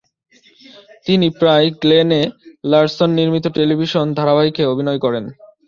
তিনি প্রায়ই Glenn A. Larson নির্মিত টেলিভিশন ধারাবাহিকে অভিনয় করেন।